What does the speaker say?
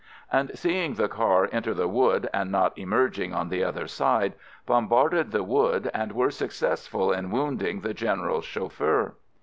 and seeing the car enter the wood and not emerging on the other side, bom barded the wood, and were successful in wounding the General's chauffeur.